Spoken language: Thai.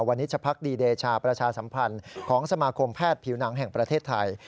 วันนี้จะพักดีเดชาประชาสัมพันธ์ของสมาคมแพทย์ผิวหนังแห่งประเทศไทย